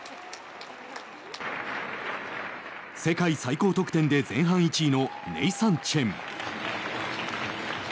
世界最高得点で前半１位のネイサン・チェン。